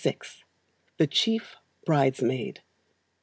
The Chief Bridesmaid.